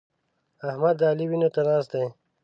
احمد د علي وينو ته ناست دی.